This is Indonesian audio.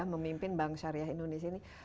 memimpin bank syariah indonesia ini